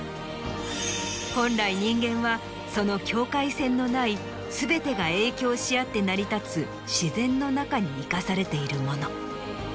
本来人間はその境界線のない全てが影響し合って成り立つ自然の中に生かされているもの。